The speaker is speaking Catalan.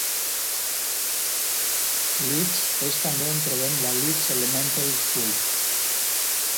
Leeds és també on trobem la Leeds Elementary School.